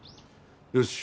よし。